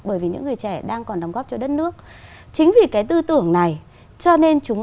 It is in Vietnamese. bởi vì những người trẻ đang còn đóng góp cho đất nước chính vì cái tư tưởng này cho nên chúng